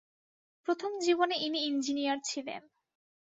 প্রথম জীবনে ইনি ইঞ্জিনীয়র ছিলেন।